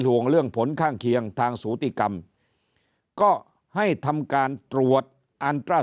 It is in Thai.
ห่วงเรื่องผลข้างเคียงทางสูติกรรมก็ให้ทำการตรวจอันตรา